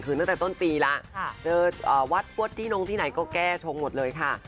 คือตั้งแต่ต้นปีแล้วเจอวัดปวดที่นงที่ไหนก็แก้ชงหมดเลยค่ะ